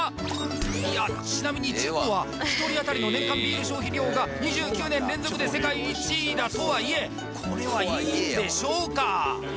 いやちなみにチェコは１人当たりの年間ビール消費量が２９年連続で世界１位だとはいえこれはいいんでしょうか？